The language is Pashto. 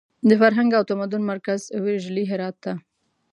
د فرهنګ او تمدن مرکز ویرژلي هرات ته!